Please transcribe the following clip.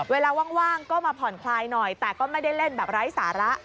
เวลาว่างก็มาผ่อนคลายหน่อยแต่ก็ไม่ได้เล่นแบบไร้สาระ